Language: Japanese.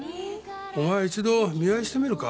お前一度見合いしてみるか？